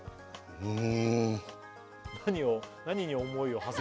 うん！